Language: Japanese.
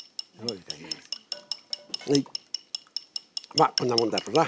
まあこんなもんだろうな。